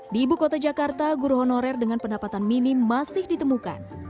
di ibu kota jakarta guru honorer dengan pendapatan minim masih ditemukan